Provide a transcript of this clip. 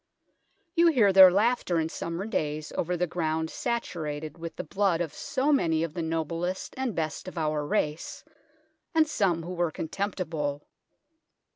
You hear their laughter in summer days over the ground saturated with the blood of so many of the noblest and best of our race, and some who were contemptible.